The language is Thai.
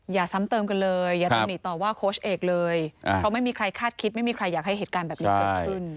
อย่าซ้ำเติมกันเลยอย่าตำหนิต่อว่าโค้ชเอกเลยเพราะไม่มีใครคาดคิดไม่มีใครอยากให้เหตุการณ์แบบนี้เกิดขึ้น